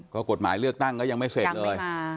ก็กฎหมายเลือกตั้งก็ยังไม่เสร็จเลย